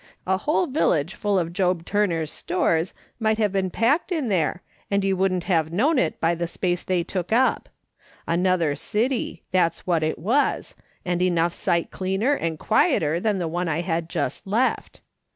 A whole village full of Job Turner's stores might have been packed in there, and you wouldn't have known it by the space they took up. Another city, that's what it was, and enough sight cleaner and quieter than the one I had just left.